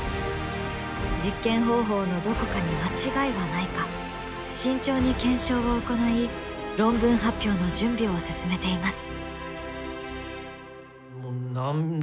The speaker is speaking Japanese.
実験方法のどこかに間違いはないか慎重に検証を行い論文発表の準備を進めています。